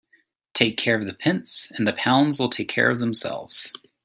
Take care of the pence and the pounds will take care of themselves.